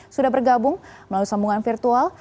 sudah bergabung melalui sambungan virtual